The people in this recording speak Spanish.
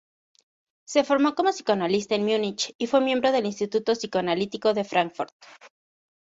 Se formó como psicoanalista en Munich y fue miembro del Instituto Psicoanalítico de Frankfurt.